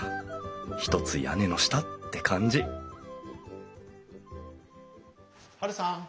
ひとつ屋根の下って感じハルさん